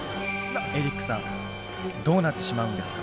エリックさんどうなってしまうんですか？